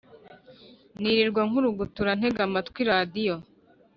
nirirwa nkurugutura, ntega amatwi radio